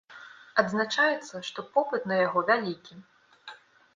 Адзначаецца, што попыт на яго вялікі.